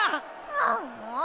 あんもう！